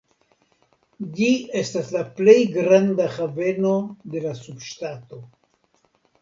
Ĝi estas la plej granda haveno de la subŝtato.